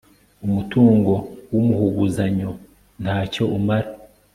umutungo w'umuhuguzanyo nta cyo umara